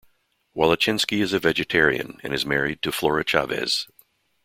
Wallechinsky is a vegetarian and is married to Flora Chavez.